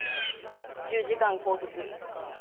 １０時間拘束。